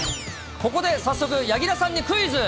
ここで早速、柳楽さんにクイズ。